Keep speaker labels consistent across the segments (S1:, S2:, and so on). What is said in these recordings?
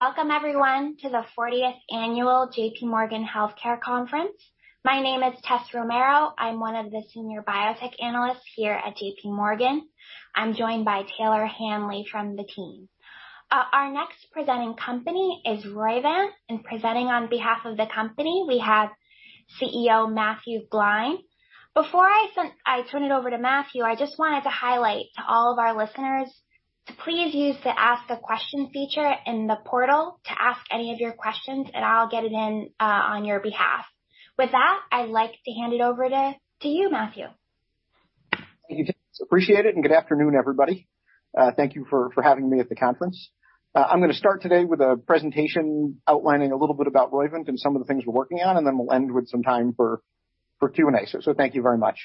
S1: Welcome everyone to the 40th annual J.P. Morgan Healthcare Conference. My name is Tessa Romero. I'm one of the senior biotech analysts here at J.P. Morgan. I'm joined by Taylor Hanley from the team. Our next presenting company is Roivant. Presenting on behalf of the company, we have CEO Matthew Gline. Before I turn it over to Matthew, I just wanted to highlight to all of our listeners to please use the Ask a Question feature in the portal to ask any of your questions, and I'll get it in on your behalf. With that, I'd like to hand it over to you, Matthew.
S2: Thank you, Tess. Appreciate it, and good afternoon, everybody. Thank you for having me at the conference. I'm gonna start today with a presentation outlining a little bit about Roivant and some of the things we're working on, and then we'll end with some time for Q&A. Thank you very much.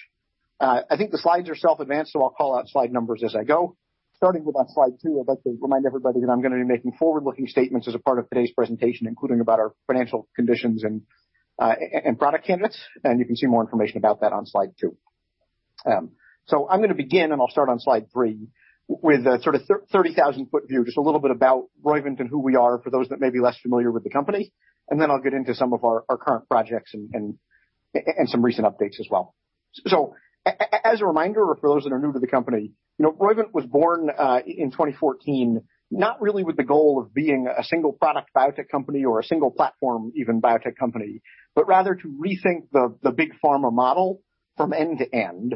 S2: I think the slides are self-advanced, so I'll call out slide numbers as I go. Starting with on slide two, I'd like to remind everybody that I'm gonna be making forward-looking statements as a part of today's presentation, including about our financial conditions and product candidates, and you can see more information about that on slide two. I'm gonna begin, and I'll start on slide 3 with a sort of 30,000-foot view, just a little bit about Roivant and who we are for those that may be less familiar with the company. Then I'll get into some of our current projects and some recent updates as well. As a reminder for those that are new to the company Roivant was born in 2014, not really with the goal of being a single product biotech company or a single platform even biotech company, but rather to rethink the big pharma model from end to end.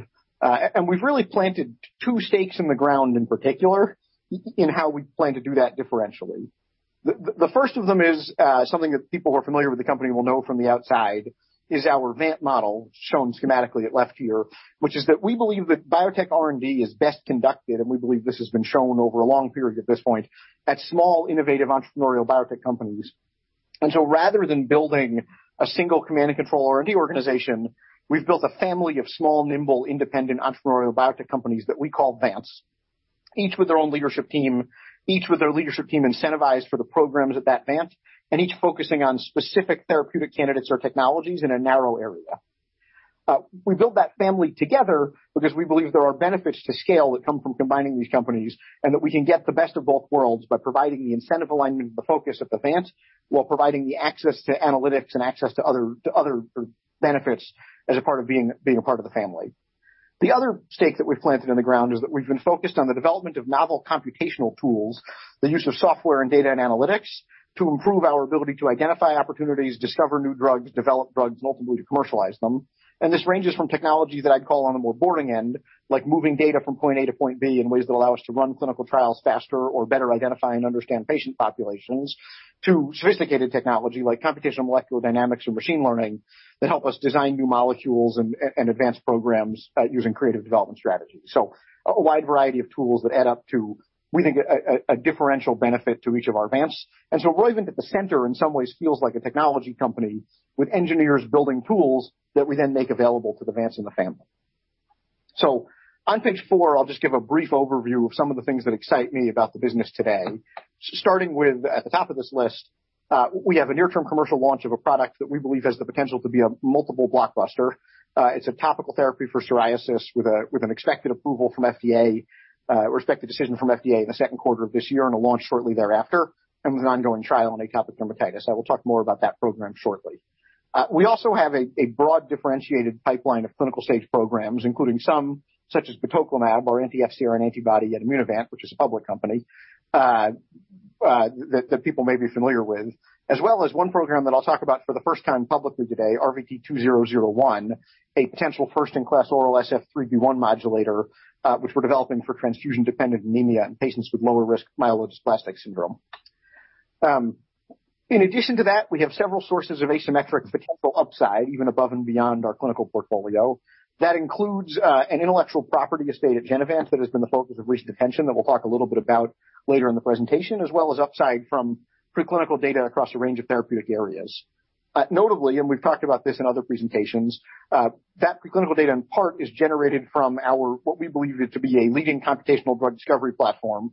S2: We've really planted two stakes in the ground in particular in how we plan to do that differentially. The first of them is something that people who are familiar with the company will know from the outside is our Vant model, shown schematically at left here, which is that we believe that biotech R&D is best conducted, and we believe this has been shown over a long period at this point, at small, innovative entrepreneurial biotech companies. Rather than building a single command and control R&D organization, we've built a family of small, nimble, independent entrepreneurial biotech companies that we call Vants, each with their own leadership team incentivized for the programs at that Vant, and each focusing on specific therapeutic candidates or technologies in a narrow area. We built that family together because we believe there are benefits to scale that come from combining these companies, and that we can get the best of both worlds by providing the incentive alignment and the focus of the vants while providing the access to analytics and access to other benefits as a part of being a part of the family. The other stake that we've planted in the ground is that we've been focused on the development of novel computational tools, the use of software and data and analytics to improve our ability to identify opportunities, discover new drugs, develop drugs, and ultimately to commercialize them. This ranges from technology that I'd call on the more boring end, like moving data from point A to point B in ways that allow us to run clinical trials faster or better identify and understand patient populations to sophisticated technology like computational molecular dynamics and machine learning that help us design new molecules and advanced programs using creative development strategies. A wide variety of tools that add up to, we think, a differential benefit to each of our vants. Roivant at the center in some ways feels like a technology company with engineers building tools that we then make available to the vants in the family. On page four, I'll just give a brief overview of some of the things that excite me about the business today. Starting with, at the top of this list, we have a near-term commercial launch of a product that we believe has the potential to be a multiple blockbuster. It's a topical therapy for psoriasis with an expected approval from FDA or expected decision from FDA in the Q2 of this year and a launch shortly thereafter, and with an ongoing trial on atopic dermatitis. I will talk more about that program shortly. We also have a broad differentiated pipeline of clinical-stage programs, including some such as Betoclimab, our anti-FcRn antibody at Immunovant, which is a public company, that people may be familiar with, as well as one program that I'll talk about for the first time publicly today, RVT-2001, a potential first-in-class oral SF3B1 modulator, which we're developing for transfusion-dependent anemia in patients with lower risk myelodysplastic syndrome. In addition to that, we have several sources of asymmetric potential upside even above and beyond our clinical portfolio. That includes, an intellectual property estate at Genevant that has been the focus of recent attention that we'll talk a little bit about later in the presentation, as well as upside from preclinical data across a range of therapeutic areas. Notably, we've talked about this in other presentations, that preclinical data, in part, is generated from our... what we believe it to be a leading computational drug discovery platform,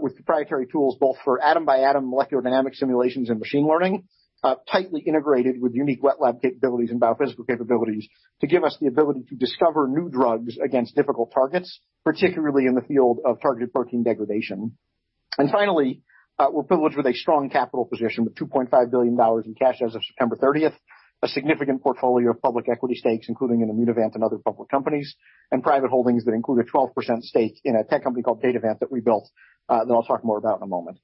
S2: with proprietary tools both for atom by atom molecular dynamic simulations and machine learning, tightly integrated with unique wet lab capabilities and biophysical capabilities to give us the ability to discover new drugs against difficult targets, particularly in the field of targeted protein degradation. Finally, we're privileged with a strong capital position with $2.5 billion in cash as of September 30, a significant portfolio of public equity stakes, including in Immunovant and other public companies and private holdings that include a 12% stake in a tech company called Datavant that we built, that I'll talk more about in a moment.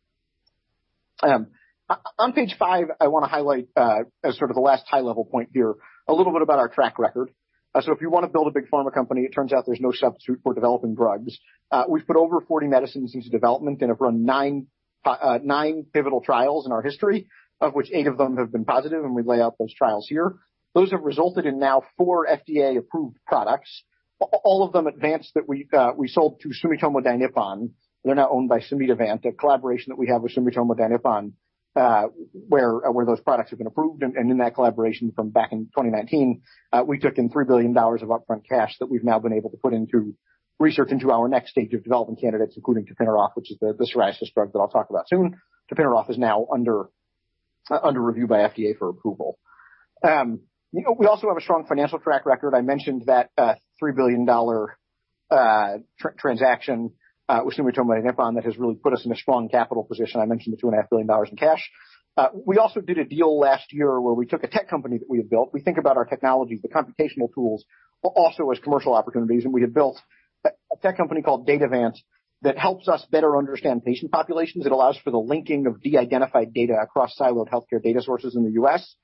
S2: On page 5, I wanna highlight, as sort of the last high level point here, a little bit about our track record. If you wanna build a big pharma company, it turns out there's no substitute for developing drugs. We've put over 40 medicines into development and have run nine pivotal trials in our history, of which 8 of them have been positive, and we lay out those trials here. Those have resulted in now four FDA-approved products, all of them advanced that we sold to Sumitomo Dainippon. They're now owned by Sumitovant, a collaboration that we have with Sumitomo Dainippon, where those products have been approved. In that collaboration from back in 2019, we took in $3 billion of upfront cash that we've now been able to put into research into our next stage of development candidates, including tapinarof, which is the psoriasis drug that I'll talk about soon. Tapinarof is now under review by FDA for approval. You know, we also have a strong financial track record. I mentioned that, $3 billion transaction with Sumitomo Dainippon that has really put us in a strong capital position. I mentioned the $2.5 billion in cash. We also did a deal last year where we took a tech company that we had built. We think about our technologies, the computational tools, also as commercial opportunities, and we had built a tech company called Datavant that helps us better understand patient populations. It allows for the linking of de-identified data across siloed healthcare data sources in the U.S.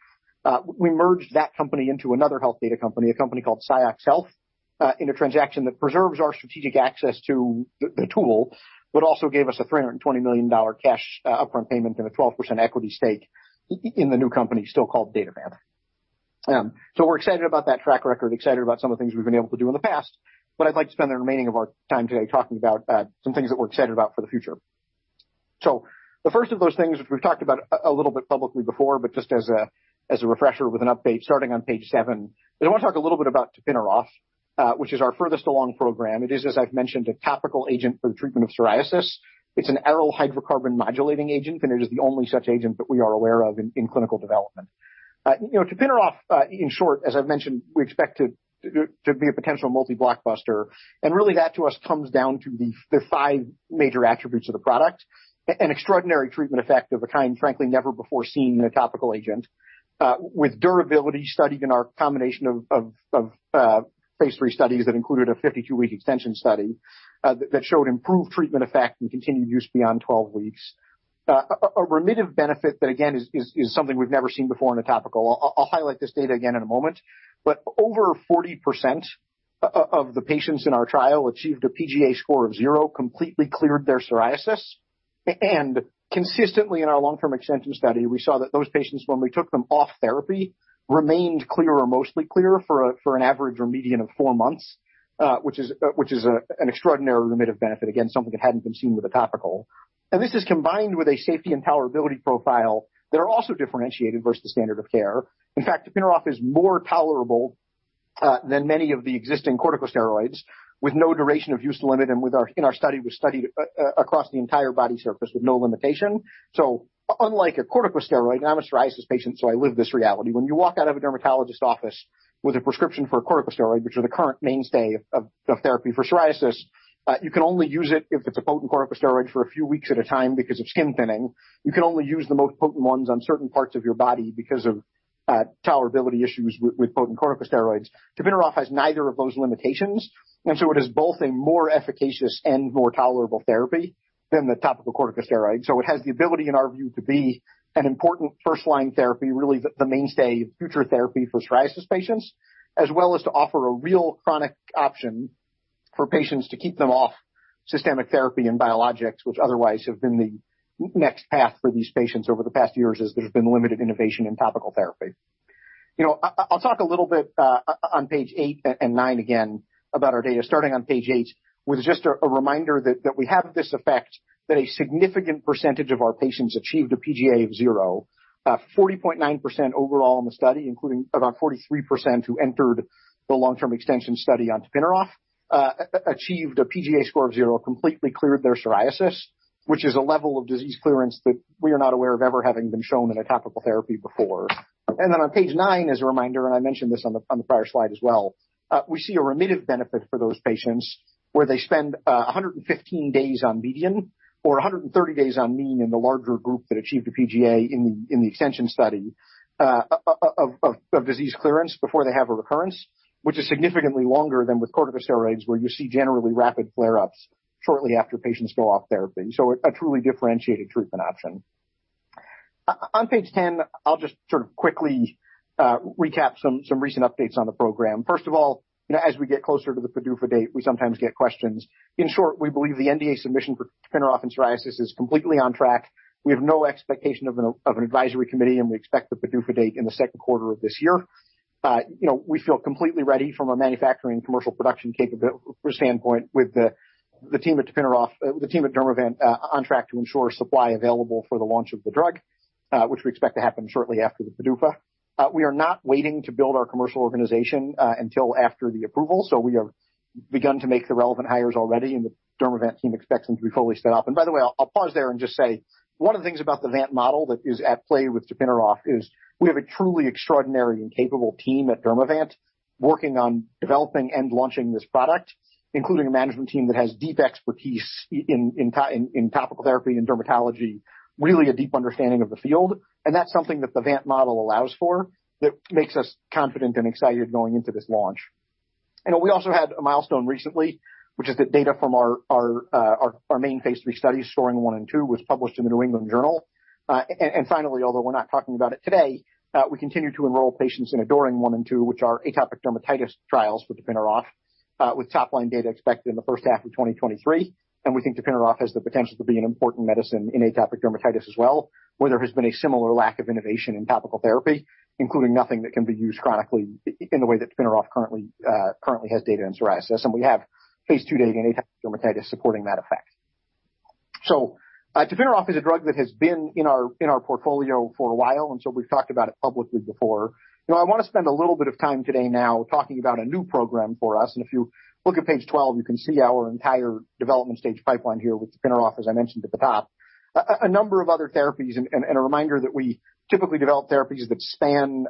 S2: We merged that company into another health data company, a company called Ciox Health, in a transaction that preserves our strategic access to the tool, but also gave us a $320 million cash upfront payment and a 12% equity stake in the new company, still called Datavant. We're excited about that track record, excited about some of the things we've been able to do in the past, but I'd like to spend the remaining of our time today talking about some things that we're excited about for the future. The first of those things, which we've talked about a little bit publicly before, but just as a refresher with an update starting on page seven, I wanna talk a little bit about tapinarof, which is our furthest along program. It is, as I've mentioned, a topical agent for the treatment of psoriasis. It's an aryl hydrocarbon modulating agent, and it is the only such agent that we are aware of in clinical development. You know, tapinarof, in short, as I've mentioned, we expect to be a potential multi-blockbuster. Really, that to us comes down to the five major attributes of the product. An extraordinary treatment effect of a kind, frankly, never before seen in a topical agent, with durability studied in our combination of phase III studies that included a 52-week extension study, that showed improved treatment effect and continued use beyond 12 weeks. A remittive benefit that again is something we've never seen before in a topical. I'll highlight this data again in a moment, but over 40% of the patients in our trial achieved a PGA score of zero, completely cleared their psoriasis. Consistently in our long-term extension study, we saw that those patients, when we took them off therapy, remained clear or mostly clear for an average or median of four months, which is an extraordinary remittive benefit, again, something that hadn't been seen with a topical. This is combined with a safety and tolerability profile that are also differentiated versus the standard of care. In fact, tapinarof is more tolerable than many of the existing corticosteroids with no duration of use limit and in our study, was studied across the entire body surface with no limitation. Unlike a corticosteroid, and I'm a psoriasis patient, so I live this reality. When you walk out of a dermatologist office with a prescription for a corticosteroid, which are the current mainstay of therapy for psoriasis, you can only use it if it's a potent corticosteroid for a few weeks at a time because of skin thinning. You can only use the most potent ones on certain parts of your body because of tolerability issues with potent corticosteroids. Tapinarof has neither of those limitations, and so it is both a more efficacious and more tolerable therapy than the topical corticosteroid. It has the ability, in our view, to be an important first-line therapy, really the mainstay future therapy for psoriasis patients, as well as to offer a real chronic option for patients to keep them off systemic therapy and biologics, which otherwise have been the next path for these patients over the past years as there's been limited innovation in topical therapy. You know, I'll talk a little bit on page eight and nine again about our data. Starting on page 8 with just a reminder that we have this effect that a significant percentage of our patients achieved a PGA of 0, 40.9% overall in the study, including about 43% who entered the long-term extension study on tapinarof achieved a PGA score of 0, completely cleared their psoriasis, which is a level of disease clearance that we are not aware of ever having been shown in a topical therapy before. On page nine, as a reminder, I mentioned this on the prior slide as well, we see a remittive benefit for those patients where they spend 115 days median or 130 days mean in the larger group that achieved the PGA in the extension study of disease clearance before they have a recurrence, which is significantly longer than with corticosteroids, where you see generally rapid flare-ups shortly after patients go off therapy. A truly differentiated treatment option. On page ten, I'll just sort of quickly recap some recent updates on the program. First of all as we get closer to the PDUFA date, we sometimes get questions. In short, we believe the NDA submission for tapinarof and psoriasis is completely on track. We have no expectation of an advisory committee, and we expect the PDUFA date in the Q2 of this year. You know, we feel completely ready from a manufacturing commercial production capability standpoint with the team at tapinarof, the team at Dermavant, on track to ensure supply available for the launch of the drug, which we expect to happen shortly after the PDUFA. We are not waiting to build our commercial organization until after the approval, so we have begun to make the relevant hires already, and the Dermavant team expects them to be fully set up. By the way, I'll pause there and just say one of the things about the Vant model that is at play with tapinarof is we have a truly extraordinary and capable team at Dermavant working on developing and launching this product, including a management team that has deep expertise in topical therapy and dermatology, really a deep understanding of the field. That's something that the Vant model allows for that makes us confident and excited going into this launch. You know, we also had a milestone recently, which is that data from our main phase III study, PSOARING 1 and 2, was published in the New England Journal of Medicine. Finally, although we're not talking about it today, we continue to enroll patients in ADORING 1 and 2, which are atopic dermatitis trials for tapinarof, with top-line data expected in the first half of 2023. We think tapinarof has the potential to be an important medicine in atopic dermatitis as well, where there has been a similar lack of innovation in topical therapy, including nothing that can be used chronically in the way that tapinarof currently has data in psoriasis. We have phase II data in atopic dermatitis supporting that effect. Tapinarof is a drug that has been in our portfolio for a while, and so we've talked about it publicly before. You know, I wanna spend a little bit of time today now talking about a new program for us. If you look at page 12, you can see our entire development stage pipeline here with tapinarof, as I mentioned at the top. A number of other therapies and a reminder that we typically develop therapies that span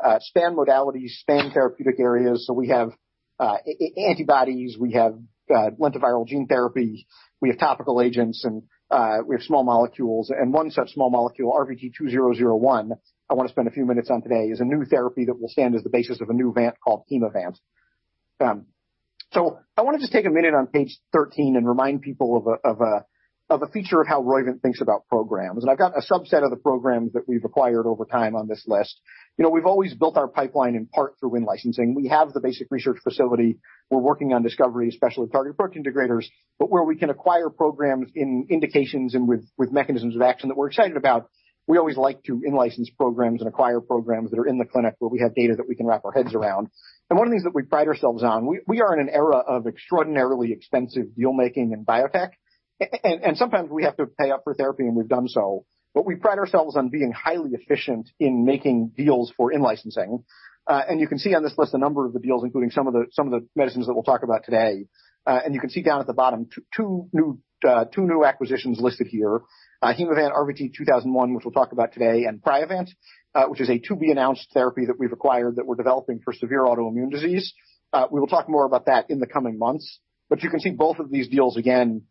S2: modalities, span therapeutic areas. We have antibodies, we have lentiviral gene therapy, we have topical agents, and we have small molecules. One such small molecule, RVT-2001, I want to spend a few minutes on today, is a new therapy that will stand as the basis of a new Vant called Hemavant. I want to just take a minute on page 13 and remind people of a feature of how Roivant thinks about programs. I've got a subset of the programs that we've acquired over time on this list. You know, we've always built our pipeline in part through in-licensing. We have the basic research facility. We're working on discovery, especially with targeted protein degraders. Where we can acquire programs in indications and with mechanisms of action that we're excited about, we always like to in-license programs and acquire programs that are in the clinic where we have data that we can wrap our heads around. One of the things that we pride ourselves on, we are in an era of extraordinarily expensive deal-making in biotech. Sometimes we have to pay up for therapy, and we've done so, but we pride ourselves on being highly efficient in making deals for in-licensing. You can see on this list a number of the deals, including some of the medicines that we'll talk about today. You can see down at the bottom two new acquisitions listed here, Hemavant RVT-2001, which we'll talk about today, and Priovant, which is a to be announced therapy that we've acquired that we're developing for severe autoimmune disease. We will talk more about that in the coming months. You can see both of these deals again,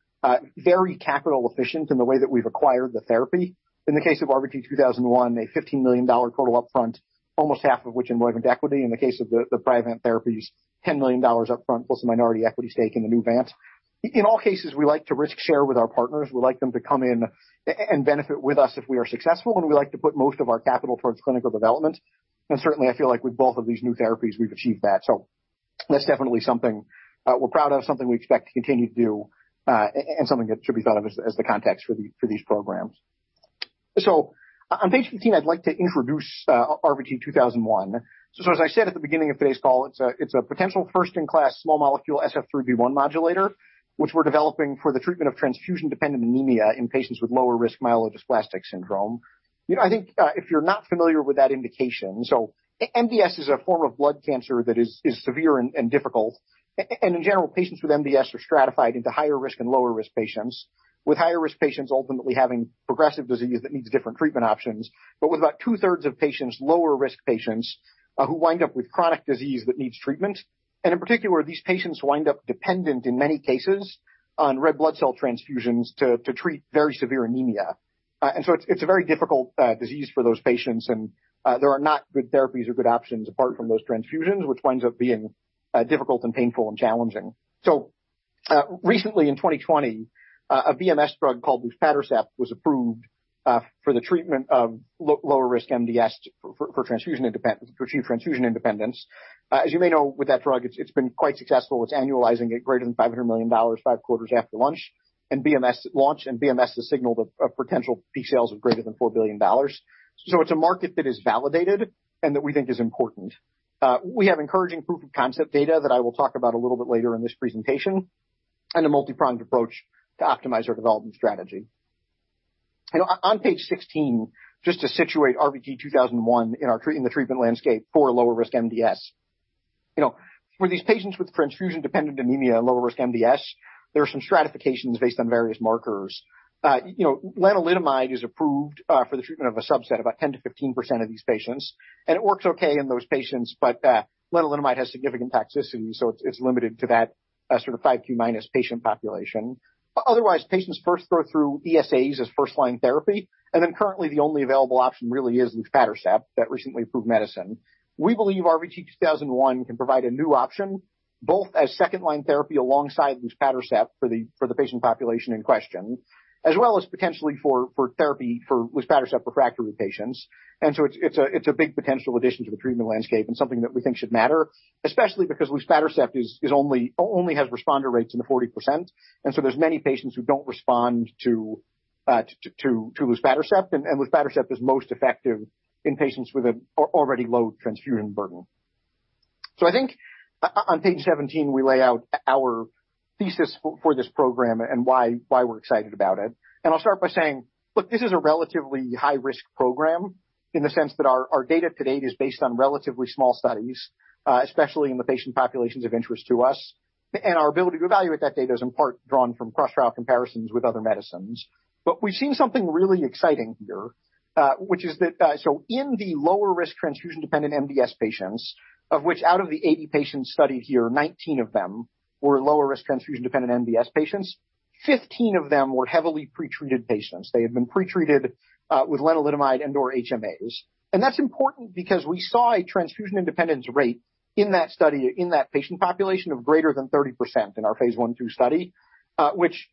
S2: very capital efficient in the way that we've acquired the therapy. In the case of RVT-2001, a $15 million total upfront, almost half of which in Roivant equity. In the case of the Priovant therapies, $10 million upfront, plus a minority equity stake in the new VANT. In all cases, we like to risk share with our partners. We like them to come in and benefit with us if we are successful, and we like to put most of our capital towards clinical development. Certainly, I feel like with both of these new therapies, we've achieved that. That's definitely something we're proud of, something we expect to continue to do, and something that should be thought of as the context for these programs. On page 15, I'd like to introduce RVT-2001. As I said at the beginning of today's call, it's a potential first-in-class small molecule SF3B1 modulator, which we're developing for the treatment of transfusion-dependent anemia in patients with lower-risk myelodysplastic syndrome. You know, I think if you're not familiar with that indication, MDS is a form of blood cancer that is severe and difficult. In general, patients with MDS are stratified into higher risk and lower risk patients, with higher risk patients ultimately having progressive disease that needs different treatment options. With about two-thirds of patients, lower risk patients, who wind up with chronic disease that needs treatment. In particular, these patients wind up dependent, in many cases, on red blood cell transfusions to treat very severe anemia. It's a very difficult disease for those patients. There are not good therapies or good options apart from those transfusions, which winds up being difficult and painful and challenging. Recently in 2020, a BMS drug called luspatercept was approved for the treatment of lower risk MDS for transfusion independence, to achieve transfusion independence. As you may know, with that drug, it's been quite successful. It's annualizing at greater than $500 million five quarters after launch. BMS at launch, BMS has signaled a potential peak sales of greater than $4 billion. It's a market that is validated and that we think is important. We have encouraging proof of concept data that I will talk about a little bit later in this presentation, and a multi-pronged approach to optimize our development strategy. You know, on page 16, just to situate RVT-2001 in our in the treatment landscape for lower-risk MDS. You know, for these patients with transfusion-dependent anemia and lower-risk MDS, there are some stratifications based on various markers. You know, lenalidomide is approved for the treatment of a subset, about 10%-15% of these patients, and it works okay in those patients, but lenalidomide has significant toxicity, so it's limited to that sort of 5q minus patient population. Otherwise, patients first go through ESAs as first-line therapy, and then currently the only available option really is luspatercept, that recently approved medicine. We believe RVT-2001 can provide a new option, both as second-line therapy alongside luspatercept for the patient population in question, as well as potentially for therapy for luspatercept refractory patients. It's a big potential addition to the treatment landscape and something that we think should matter, especially because luspatercept only has responder rates in the 40%. There's many patients who don't respond to luspatercept, and luspatercept is most effective in patients with an already low transfusion burden. I think on page 17, we lay out our thesis for this program and why we're excited about it. I'll start by saying, look, this is a relatively high-risk program in the sense that our data to date is based on relatively small studies, especially in the patient populations of interest to us. Our ability to evaluate that data is in part drawn from cross-trial comparisons with other medicines. We've seen something really exciting here, which is that in the lower-risk transfusion-dependent MDS patients, of which out of the 80 patients studied here, 19 of them were lower-risk transfusion-dependent MDS patients. 15 of them were heavily pre-treated patients. They had been pre-treated with lenalidomide and/or HMAs. That's important because we saw a transfusion independence rate in that study, in that patient population of greater than 30% in our phase I/II study, which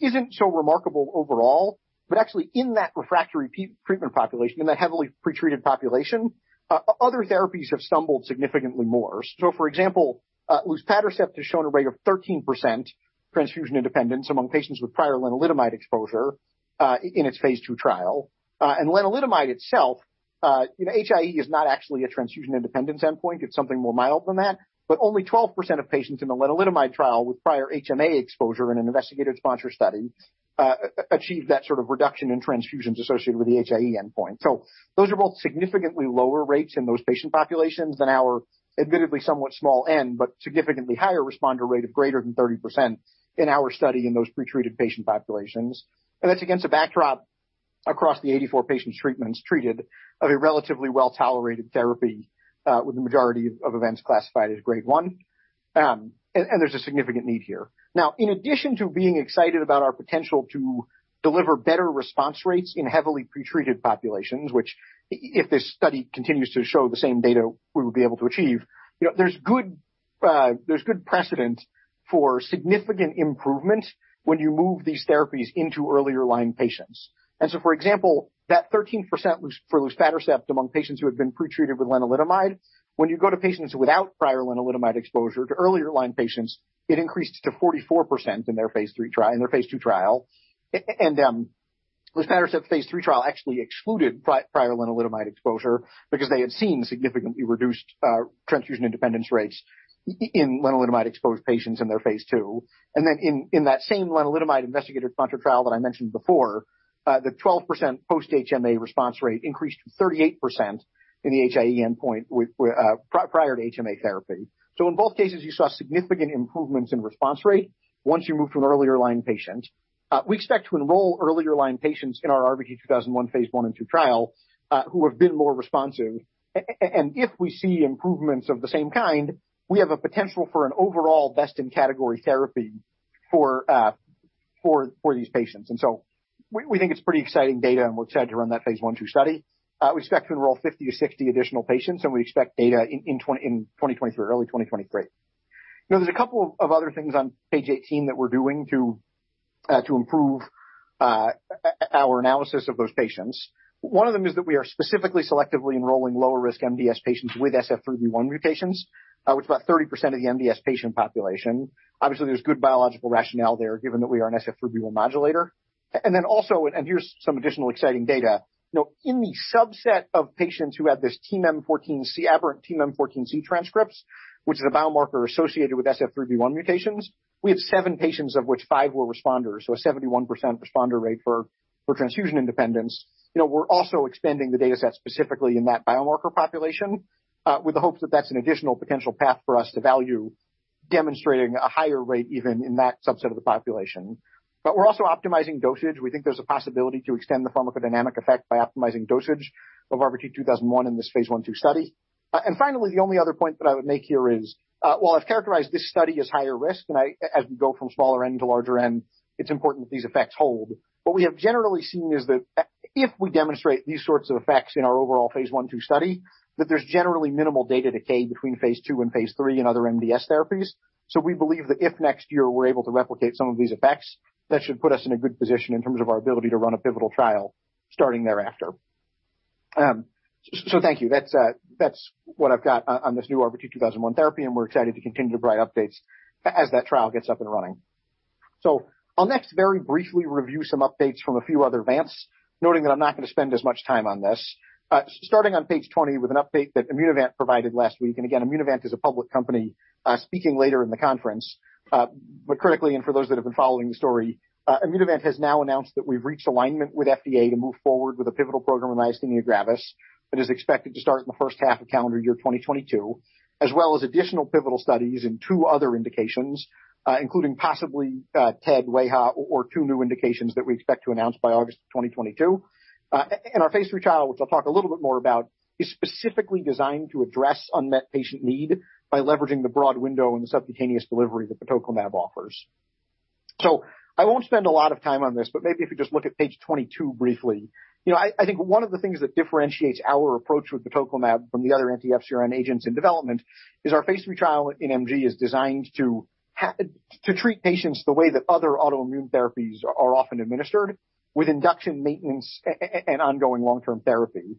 S2: isn't so remarkable overall, but actually in that refractory pre-treatment population, in that heavily pre-treated population, other therapies have stumbled significantly more. For example, luspatercept has shown a rate of 13% transfusion independence among patients with prior lenalidomide exposure in its phase II trial. And lenalidomide itself HI-E is not actually a transfusion independence endpoint. It's something more mild than that. Only 12% of patients in the lenalidomide trial with prior HMA exposure in an investigator-sponsored study achieved that sort of reduction in transfusions associated with the HI-E endpoint. Those are both significantly lower rates in those patient populations than our admittedly somewhat small N, but significantly higher responder rate of greater than 30% in our study in those pretreated patient populations. That's against a backdrop across the 84 patient treatments of a relatively well-tolerated therapy, with the majority of events classified as Grade 1. There's a significant need here. In addition to being excited about our potential to deliver better response rates in heavily pretreated populations, which if this study continues to show the same data we would be able to achieve there's good precedent for significant improvement when you move these therapies into earlier line patients. For example, that 13% for luspatercept among patients who had been pretreated with lenalidomide, when you go to patients without prior lenalidomide exposure to earlier line patients, it increased to 44% in their phase II trial. Luspatercept phase III trial actually excluded prior lenalidomide exposure because they had seen significantly reduced transfusion independence rates in lenalidomide-exposed patients in their phase II. In that same lenalidomide investigator-sponsored trial that I mentioned before, the 12% post HMA response rate increased to 38% in the HI-E with prior to HMA therapy. In both cases, you saw significant improvements in response rate once you moved to an earlier line patient. We expect to enroll earlier line patients in our RVT-2001 phase I and II trial, who have been more responsive. If we see improvements of the same kind, we have a potential for an overall best-in-category therapy for these patients. We think it's pretty exciting data, and we're excited to run that phase I, II study. We expect to enroll 50-60 additional patients, and we expect data in early 2023. You know, there's a couple of other things on page 18 that we're doing to improve our analysis of those patients. One of them is that we are specifically selectively enrolling lower-risk MDS patients with SF3B1 mutations, which is about 30% of the MDS patient population. Obviously, there's good biological rationale there, given that we are an SF3B1 modulator. Then also, here's some additional exciting data. You know, in the subset of patients who have this TMEM14C, aberrant TMEM14C transcripts, which is a biomarker associated with SF3B1 mutations, we have 7 patients, of which 5 were responders. A 71% responder rate for transfusion independence. You know, we're also expanding the dataset specifically in that biomarker population, with the hopes that that's an additional potential path for us to validate demonstrating a higher rate even in that subset of the population. We're also optimizing dosage. We think there's a possibility to extend the pharmacodynamic effect by optimizing dosage of ARBG 2001 in this phase I/II study. Finally, the only other point that I would make here is, while I've characterized this study as higher risk, as we go from smaller end to larger end, it's important that these effects hold. What we have generally seen is that, if we demonstrate these sorts of effects in our overall phase I/II study, that there's generally minimal data decay between phase II and phase III in other MDS therapies. We believe that if next year we're able to replicate some of these effects, that should put us in a good position in terms of our ability to run a pivotal trial starting thereafter. Thank you. That's what I've got on this new ARBG 2001 therapy, and we're excited to continue to provide updates as that trial gets up and running. I'll next very briefly review some updates from a few other events, noting that I'm not gonna spend as much time on this. Starting on page 20 with an update that Immunovant provided last week. Again, Immunovant is a public company, speaking later in the conference. Critically, and for those that have been following the story, Immunovant has now announced that we've reached alignment with FDA to move forward with a pivotal program in myasthenia gravis that is expected to start in the first half of calendar year 2022, as well as additional pivotal studies in two other indications, including possibly, TED, WAIHA, or two new indications that we expect to announce by August 2022. Our phase III trial, which I'll talk a little bit more about, is specifically designed to address unmet patient need by leveraging the broad window and the subcutaneous delivery that batoclimab offers. I won't spend a lot of time on this, but maybe if you just look at page 22 briefly. You know, I think one of the things that differentiates our approach with batoclimab from the other anti-FcRn agents in development is our phase III trial in MG is designed to treat patients the way that other autoimmune therapies are often administered with induction maintenance and ongoing long-term therapy.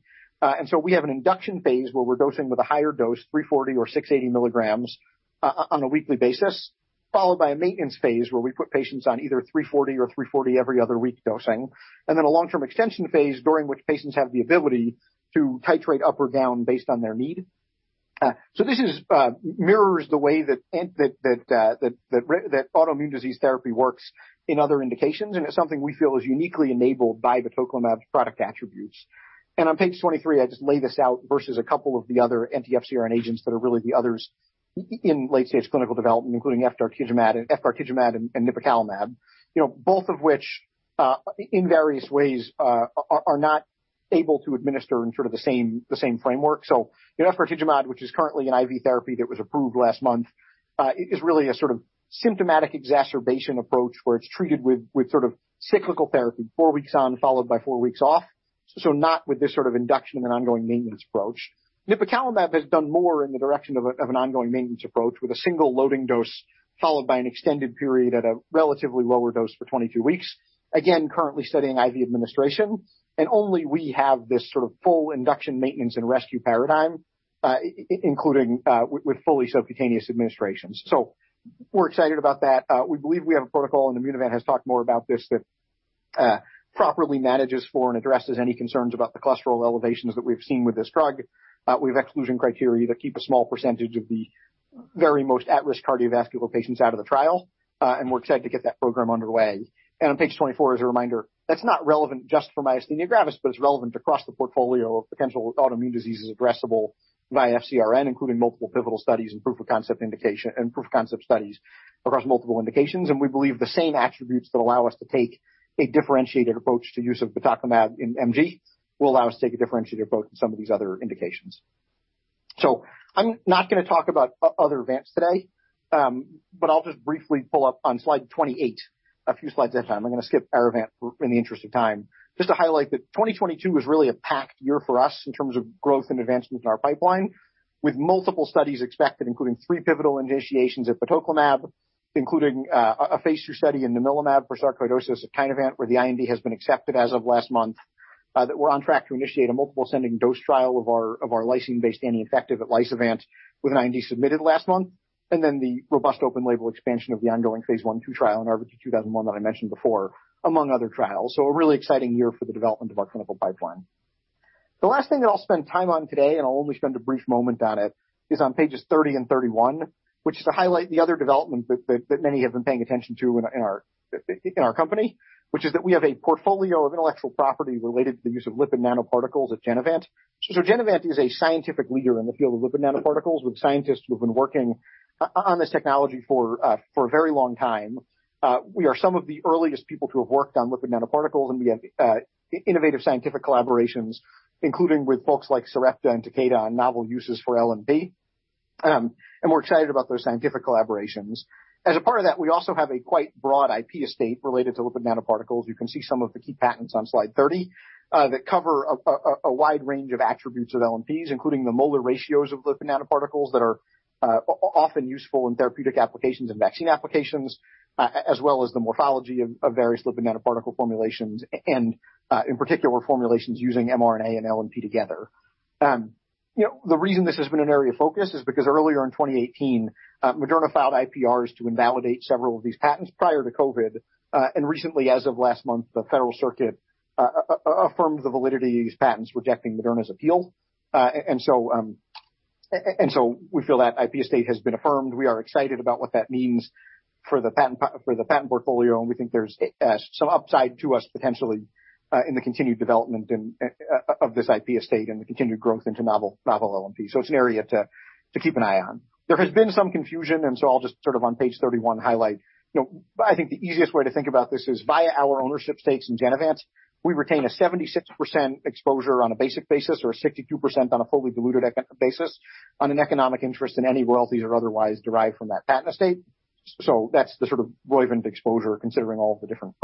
S2: We have an induction phase where we're dosing with a higher dose, 340 or 680 milligrams, on a weekly basis, followed by a maintenance phase where we put patients on either 340 or 340 every other week dosing, and then a long-term extension phase during which patients have the ability to titrate up or down based on their need. This mirrors the way that autoimmune disease therapy works in other indications, and it's something we feel is uniquely enabled by batoclimab's product attributes. On page 23, I just lay this out versus a couple of the other anti-FcRn agents that are really the others in late-stage clinical development, including efgartigimod and nipocalimab. You know, both of which in various ways are not able to administer in sort of the same framework. You know, efgartigimod, which is currently an IV therapy that was approved last month, is really a sort of symptomatic exacerbation approach where it's treated with sort of cyclical therapy, four weeks on, followed by four weeks off. Not with this sort of induction and ongoing maintenance approach. Nipocalimab has done more in the direction of an ongoing maintenance approach with a single loading dose followed by an extended period at a relatively lower dose for 22 weeks. Again, currently studying IV administration. Only we have this sort of full induction maintenance and rescue paradigm, including with fully subcutaneous administrations. We're excited about that. We believe we have a protocol, and Immunovant has talked more about this that properly manages for and addresses any concerns about the cholesterol elevations that we've seen with this drug. We have exclusion criteria that keep a small percentage of the very most at-risk cardiovascular patients out of the trial, and we're excited to get that program underway. On page 24, as a reminder, that's not relevant just for myasthenia gravis, but it's relevant across the portfolio of potential autoimmune diseases addressable via FCRN, including multiple pivotal studies and proof of concept indication and proof of concept studies across multiple indications. We believe the same attributes that allow us to take a differentiated approach to use of batoclimab in MG will allow us to take a differentiated approach in some of these other indications. I'm not gonna talk about other events today, but I'll just briefly pull up on slide 28 a few slides at a time. I'm gonna skip our event in the interest of time. Just to highlight that 2022 was really a packed year for us in terms of growth and advancements in our pipeline, with multiple studies expected, including three pivotal initiations of batoclimab, including a phase II study in namilumab for sarcoidosis at Kinevant, where the IND has been accepted as of last month that we're on track to initiate a multiple ascending dose trial of our lysine-based anti-infective at Lysovant, with an IND submitted last month. The robust open label expansion of the ongoing phase I/II trial in RVT-2001 that I mentioned before, among other trials. A really exciting year for the development of our clinical pipeline. The last thing that I'll spend time on today, and I'll only spend a brief moment on it, is on pages 30 and 31, which is to highlight the other development that many have been paying attention to in our company, which is that we have a portfolio of intellectual property related to the use of lipid nanoparticles at Genevant. Genevant is a scientific leader in the field of lipid nanoparticles with scientists who have been working on this technology for a very long time. We are some of the earliest people to have worked on lipid nanoparticles, and we have innovative scientific collaborations, including with folks like Sarepta and Takeda on novel uses for LNP. We're excited about those scientific collaborations. As a part of that, we also have a quite broad IP estate related to lipid nanoparticles. You can see some of the key patents on slide 30 that cover a wide range of attributes of LNPs, including the molar ratios of lipid nanoparticles that are often useful in therapeutic applications and vaccine applications, as well as the morphology of various lipid nanoparticle formulations and in particular formulations using mRNA and LNP together. You know, the reason this has been an area of focus is because earlier in 2018, Moderna filed IPRs to invalidate several of these patents prior to COVID. Recently, as of last month, the Federal Circuit affirmed the validity of these patents, rejecting Moderna's appeal. We feel that IP estate has been affirmed. We are excited about what that means for the patent portfolio, and we think there's some upside to us potentially in the continued development and of this IP estate and the continued growth into novel LNP. It's an area to keep an eye on. There has been some confusion, and I'll just sort of on page 31 highlight. You know, I think the easiest way to think about this is via our ownership stakes in Vants. We retain a 76% exposure on a basic basis or a 62% on a fully diluted basis on an economic interest in any royalties or otherwise derived from that patent estate. That's the sort of Roivant exposure, considering all the different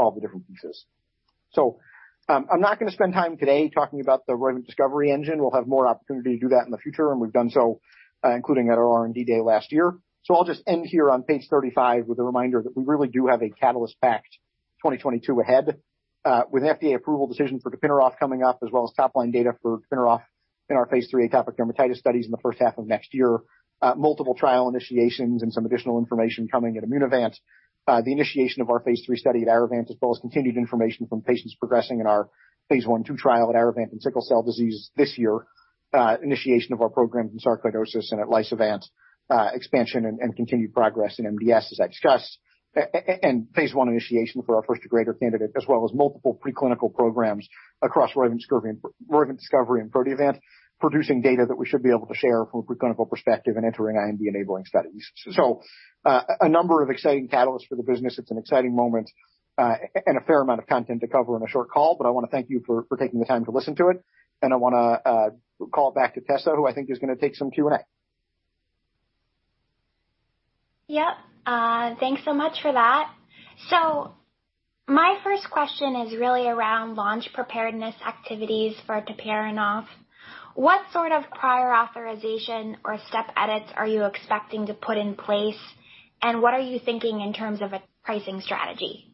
S2: pieces. I'm not gonna spend time today talking about the Roivant discovery engine. We'll have more opportunity to do that in the future, and we've done so, including at our R&D day last year. I'll just end here on page 35 with a reminder that we really do have a catalyst-packed 2022 ahead, with FDA approval decision for tapinarof coming up, as well as top-line data for tapinarof in our phase III atopic dermatitis studies in the first half of next year. Multiple trial initiations and some additional information coming at Immunovant. The initiation of our phase III study at Aruvant, as well as continued information from patients progressing in our phase I/II trial at Aruvant and sickle cell disease this year. Initiation of our programs in sarcoidosis and at Lysovant, expansion and continued progress in MDS, as I discussed, and phase I initiation for our first degrader candidate, as well as multiple preclinical programs across Roivant Discovery and Proteovant, producing data that we should be able to share from a preclinical perspective and entering IND-enabling studies. A number of exciting catalysts for the business. It's an exciting moment, and a fair amount of content to cover in a short call, but I wanna thank you for taking the time to listen to it. I wanna call back to Tessa, who I think is gonna take some Q&A.
S1: Yep. Thanks so much for that. My first question is really around launch preparedness activities for tapinarof. What sort of prior authorization or step edits are you expecting to put in place? And what are you thinking in terms of a pricing strategy?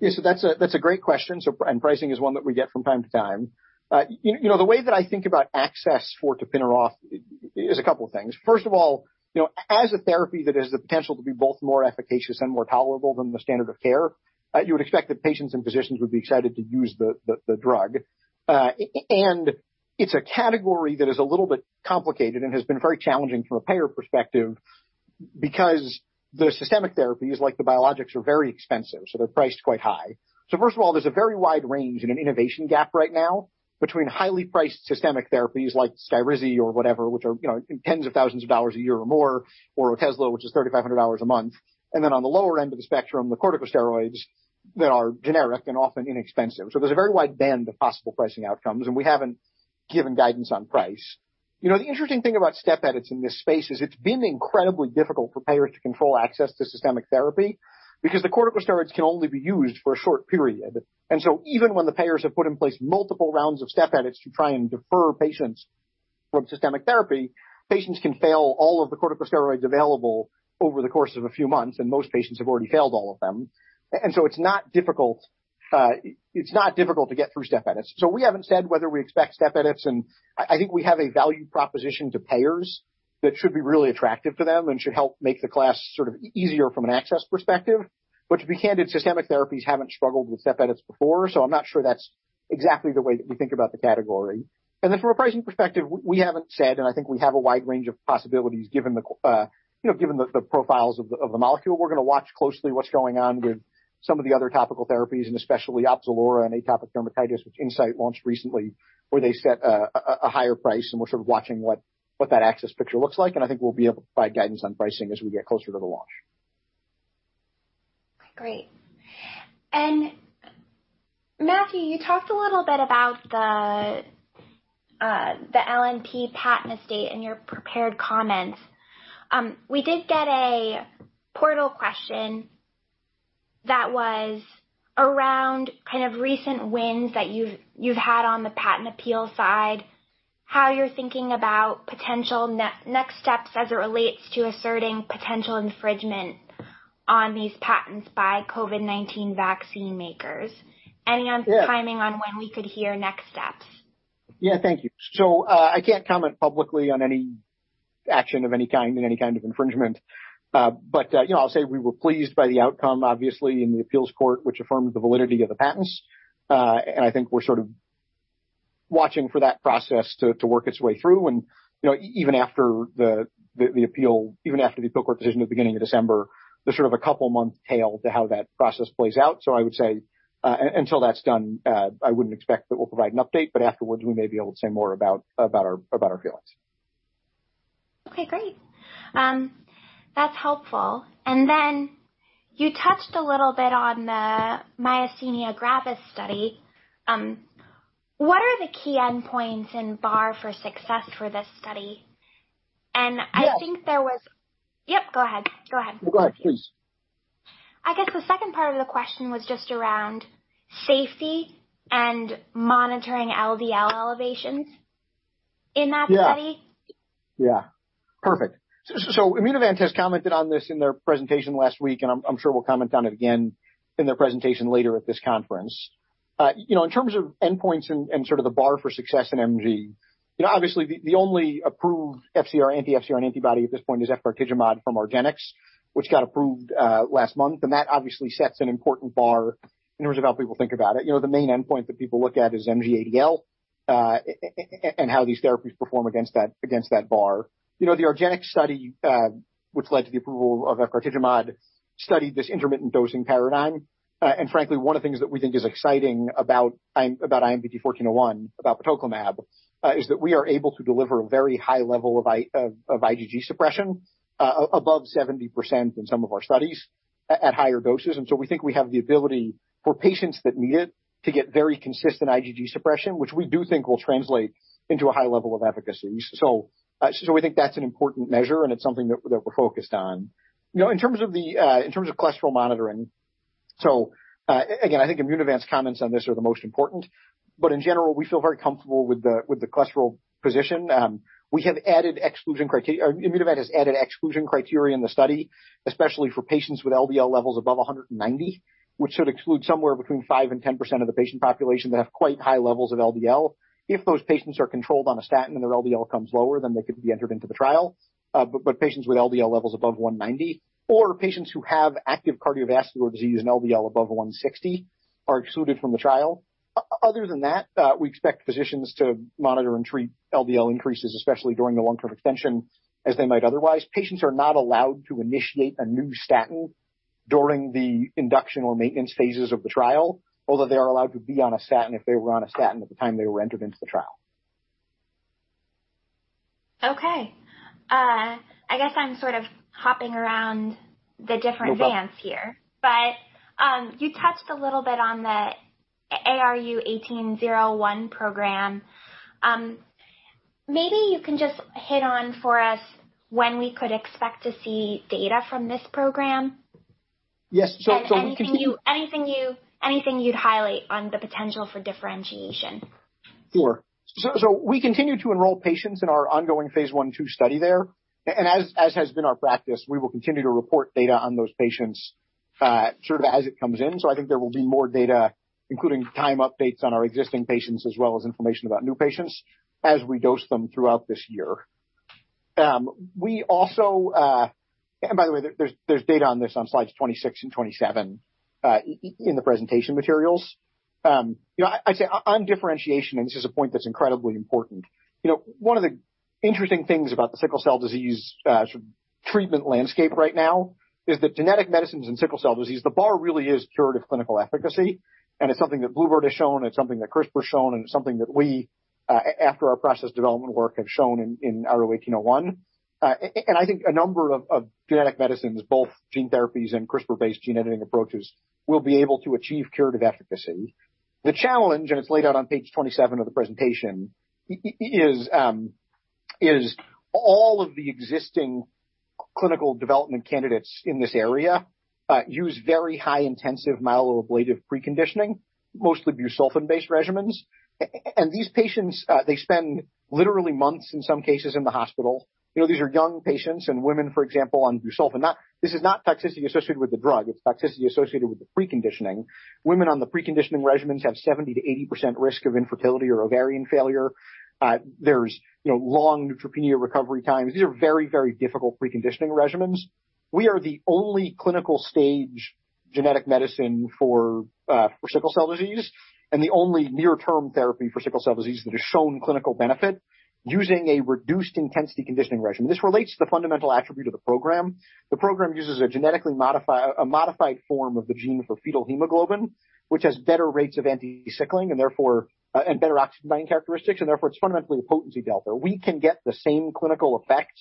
S2: Yeah. That's a great question. Pricing is one that we get from time to time. You know, the way that I think about access for tapinarof is a couple of things. First of all as a therapy that has the potential to be both more efficacious and more tolerable than the standard of care, you would expect that patients and physicians would be excited to use the drug. And it's a category that is a little bit complicated and has been very challenging from a payer perspective because the systemic therapies, like the biologics, are very expensive, so they're priced quite high. First of all, there's a very wide range and an innovation gap right now between highly priced systemic therapies like SKYRIZI or whatever, which are tens of thousands of dollars a year or more, or Otezla, which is $3,500 a month. Then on the lower end of the spectrum, the corticosteroids that are generic and often inexpensive. There's a very wide band of possible pricing outcomes, and we haven't given guidance on price. You know, the interesting thing about step edits in this space is it's been incredibly difficult for payers to control access to systemic therapy because the corticosteroids can only be used for a short period. Even when the payers have put in place multiple rounds of step edits to try and defer patients from systemic therapy, patients can fail all of the corticosteroids available over the course of a few months, and most patients have already failed all of them. It's not difficult to get through step edits. We haven't said whether we expect step edits. I think we have a value proposition to payers that should be really attractive to them and should help make the class sort of easier from an access perspective. To be candid, systemic therapies haven't struggled with step edits before, so I'm not sure that's exactly the way that we think about the category. From a pricing perspective, we haven't said, and I think we have a wide range of possibilities given the profiles of the molecule. We're gonna watch closely what's going on with some of the other topical therapies, and especially Opzelura in atopic dermatitis, which Incyte launched recently, where they set a higher price, and we're sort of watching what that access picture looks like, and I think we'll be able to provide guidance on pricing as we get closer to the launch.
S1: Great. Matthew, you talked a little bit about the LNP patent estate in your prepared comments. We did get a portal question that was around kind of recent wins that you've had on the patent appeal side, how you're thinking about potential next steps as it relates to asserting potential infringement on these patents by COVID-19 vaccine makers. Any on-
S2: Yeah.
S1: Timing on when we could hear next steps?
S2: Yeah. Thank you. I can't comment publicly on any action of any kind in any kind of infringement. You know, I'll say we were pleased by the outcome, obviously, in the appeals court, which affirmed the validity of the patents. I think we're sort of watching for that process to work its way through. You know, even after the appeal, even after the appeal court decision at the beginning of December, there's sort of a couple month tail to how that process plays out. I would say until that's done, I wouldn't expect that we'll provide an update, but afterwards we may be able to say more about our feelings.
S1: Okay, great. That's helpful. You touched a little bit on the myasthenia gravis study. What are the key endpoints and bar for success for this study? I think-
S2: Yeah.
S1: Yep, go ahead.
S2: Go ahead, please.
S1: I guess the second part of the question was just around safety and monitoring LDL elevations in that study.
S2: Yeah. Yeah. Perfect. So Immunovant has commented on this in their presentation last week, and I'm sure we'll comment on it again in their presentation later at this conference. You know, in terms of endpoints and sort of the bar for success in mg obviously the only approved FcRn, anti-FcRn antibody at this point is efgartigimod from argenx, which got approved last month. That obviously sets an important bar in terms of how people think about it. You know, the main endpoint that people look at is MG ADL, and how these therapies perform against that bar. You know, the argenx study, which led to the approval of efgartigimod, studied this intermittent dosing paradigm. Frankly, one of the things that we think is exciting about IMVT-1401, about batoclimab, is that we are able to deliver a very high level of IgG suppression, above 70% in some of our studies at higher doses. We think we have the ability for patients that need it to get very consistent IgG suppression, which we do think will translate into a high level of efficacy. We think that's an important measure, and it's something that we're focused on. You know, in terms of cholesterol monitoring, I think Immunovant's comments on this are the most important, but in general, we feel very comfortable with the cholesterol position. We have added exclusion criteria. Immunovant has added exclusion criteria in the study, especially for patients with LDL levels above 190, which should exclude somewhere between 5%-10% of the patient population that have quite high levels of LDL. If those patients are controlled on a statin and their LDL comes lower, then they could be entered into the trial. Patients with LDL levels above 190 or patients who have active cardiovascular disease and LDL above 160 are excluded from the trial. Other than that, we expect physicians to monitor and treat LDL increases, especially during the long-term extension, as they might otherwise. Patients are not allowed to initiate a new statin during the induction or maintenance phases of the trial, although they are allowed to be on a statin if they were on a statin at the time they were entered into the trial.
S1: Okay. I guess I'm sort of hopping around the different.
S2: No problem.
S1: you touched a little bit on the ARU-1801 program. Maybe you can just hit on for us when we could expect to see data from this program.
S2: Yes. We can.
S1: Anything you'd highlight on the potential for differentiation.
S2: Sure. We continue to enroll patients in our ongoing phase I/II study there. As has been our practice, we will continue to report data on those patients, sort of as it comes in. I think there will be more data, including time updates on our existing patients as well as information about new patients as we dose them throughout this year. By the way, there's data on this on slides 26 and 27 in the presentation materials. You know, I'd say on differentiation, and this is a point that's incredibly important. You know, one of the interesting things about the sickle cell disease sort of treatment landscape right now is that genetic medicines in sickle cell disease, the bar really is curative clinical efficacy. It's something that Bluebird has shown, it's something that CRISPR's shown, and it's something that we, after our process development work, have shown in ARU-1801. I think a number of genetic medicines, both gene therapies and CRISPR-based gene editing approaches, will be able to achieve curative efficacy. The challenge, and it's laid out on page 27 of the presentation, is all of the existing clinical development candidates in this area use very high intensive myeloablative preconditioning, mostly busulfan-based regimens. These patients, they spend literally months, in some cases, in the hospital. You know, these are young patients and women, for example, on busulfan. Now, this is not toxicity associated with the drug, it's toxicity associated with the preconditioning. Women on the preconditioning regimens have 70%-80% risk of infertility or ovarian failure. there's long neutropenia recovery times. These are very, very difficult preconditioning regimens. We are the only clinical stage genetic medicine for for sickle cell disease and the only near-term therapy for sickle cell disease that has shown clinical benefit using a reduced intensity conditioning regimen. This relates to the fundamental attribute of the program. The program uses a modified form of the gene for fetal hemoglobin, which has better rates of anti-sickling and therefore and better oxygen-binding characteristics, and therefore it's fundamentally a potency delta. We can get the same clinical effect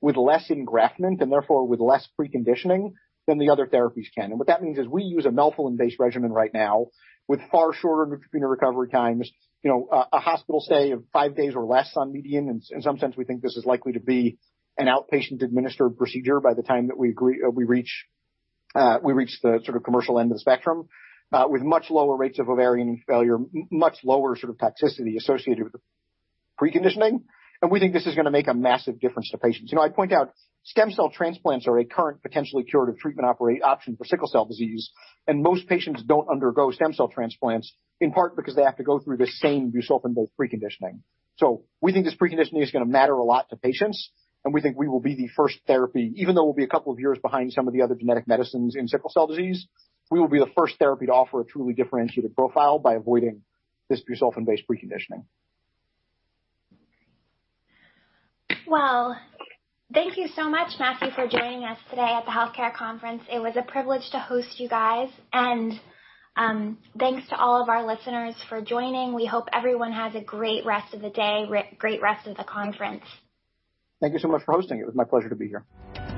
S2: with less engraftment, and therefore with less preconditioning than the other therapies can. What that means is we use a melphalan-based regimen right now with far shorter neutropenia recovery times. You know, a hospital stay of five days or less on median, and sometimes we think this is likely to be an outpatient administered procedure by the time that we reach the sort of commercial end of the spectrum, with much lower rates of ovarian failure, much lower sort of toxicity associated with preconditioning. We think this is gonna make a massive difference to patients. I point out stem cell transplants are a current potentially curative treatment option for sickle cell disease, and most patients don't undergo stem cell transplants, in part because they have to go through the same busulfan-based preconditioning. We think this preconditioning is gonna matter a lot to patients, and we think we will be the first therapy. Even though we'll be a couple of years behind some of the other genetic medicines in sickle cell disease, we will be the first therapy to offer a truly differentiated profile by avoiding this busulfan-based preconditioning.
S1: Well, thank you so much, Matthew, for joining us today at the Healthcare Conference. It was a privilege to host you guys. Thanks to all of our listeners for joining. We hope everyone has a great rest of the conference.
S2: Thank you so much for hosting. It was my pleasure to be here.